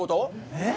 えっ？